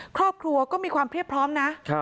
ครอบครัวก็มีความเรียบพร้อมนะ